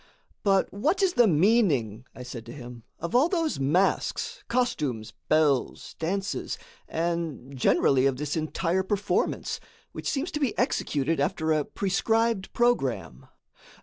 "But what is the meaning," I said to him, "of all those masks, costumes, bells, dances, and, generally, of this entire performance, which seems to be executed after a prescribed programme?"